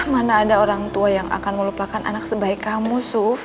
mana ada orang tua yang akan melupakan anak sebaik kamu suf